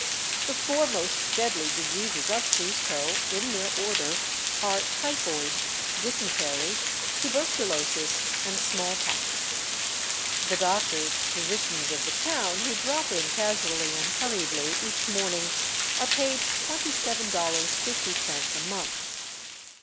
The four most deadly diseases of Cuzco, in their order, are typhoid, dysentery, tuberculosis, and smallpox. The doctors, physicians of the town who drop in casu ally and hurriedly each morning, are paid $27.50 a month.